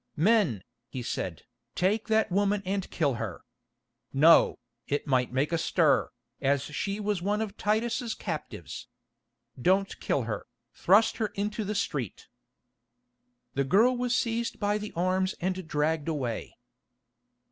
"Men," he said, "take that woman and kill her. No, it might make a stir, as she was one of Titus's captives. Don't kill her, thrust her into the street." The girl was seized by the arms and dragged away.